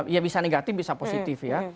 ya bisa negatif bisa positif ya